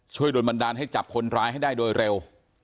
โดนบันดาลให้จับคนร้ายให้ได้โดยเร็ว